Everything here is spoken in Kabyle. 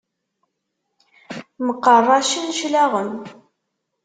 Mqeṛṛacen cclaɣem.